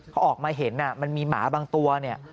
เขาออกมาเห็นมันมีหมาบางตัวเนี่ย